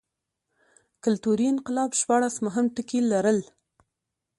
کلتوري انقلاب شپاړس مهم ټکي لرل.